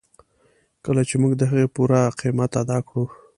کله چې موږ د هغې پوره قیمت ادا کړو.